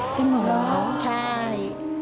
จริงเหรอครับใช่